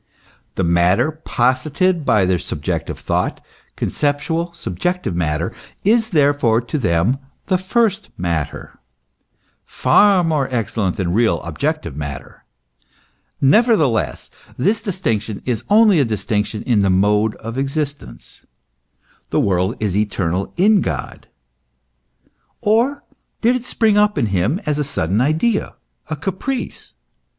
The matter posited by their subjective thought, conceptional, subjective matter, is therefore to them the first matter, far more excellent than real, objective matter. Nevertheless, this distinction is only a distinction in the mode of existence. The world is eternal in God. Or did it spring up in him as a sudden idea, a caprice ?